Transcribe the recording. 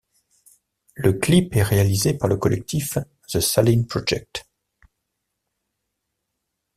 Le clip est réalisé par le collectif The Saline Project.